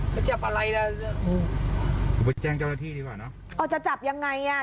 ไปจับอะไรล่ะกูไปแจ้งเจ้าหน้าที่ดีกว่าเนอะอ๋อจะจับยังไงอ่ะ